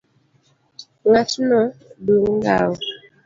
Ng'atno dung' ndawa